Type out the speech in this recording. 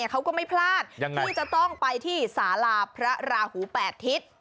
เขาก็ไม่พลาดที่จะต้องไปที่สาลาพระราหู๘ทิศ